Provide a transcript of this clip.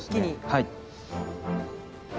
はい。